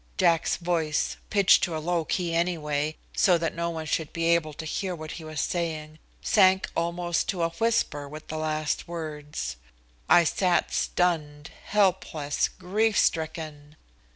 '" Jack's voice, pitched to a low key anyway, so that no one should be able to hear what he was saying, sank almost to a whisper with the last words. I sat stunned, helpless, grief stricken.